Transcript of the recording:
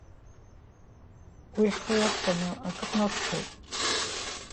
Уи ҳхы иархәаны акы ҳнацҳаит.